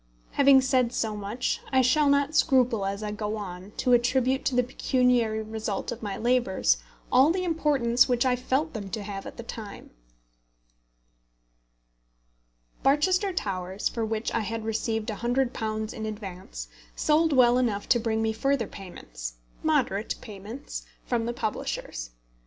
Having said so much, I shall not scruple as I go on to attribute to the pecuniary result of my labours all the importance which I felt them to have at the time. Barchester Towers, for which I had received £100 in advance, sold well enough to bring me further payments moderate payments from the publishers.